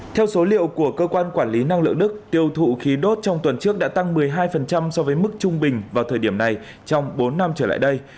theo số liệu của cơ quan quản lý năng lượng đức tiêu thụ khí đốt trong tuần trước đã tăng một mươi hai so với mức trung bình vào thời điểm này trong bốn năm trở lại đây